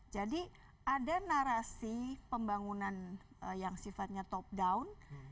jadi ada narasi pembangunan yang sifatnya top down